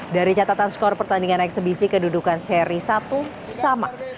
dari catatan skor pertandingan eksebisi kedudukan seri satu sama